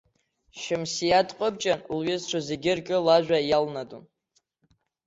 Шьамсиа дҟәыбҷан, лҩызцәа зегьы рҿы лажәа иалнадон.